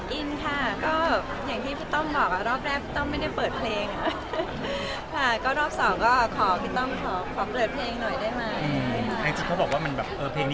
อินค่ะก็อย่างที่พี่ต้มบอกรอบแรกไม่ได้เปิดเพลง